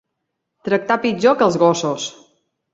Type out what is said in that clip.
Tractar pitjor que als gossos.